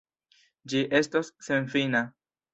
Ĝi estos senfina.